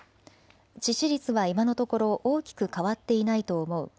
致死率は今のところ大きく変わっていないと思う。